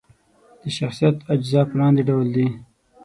د شخصیت اجزا په لاندې ډول دي: